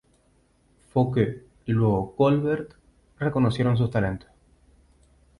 Fouquet y luego Colbert reconocieron su talento.